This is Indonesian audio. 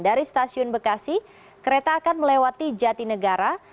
dari stasiun bekasi kereta akan melewati rute lain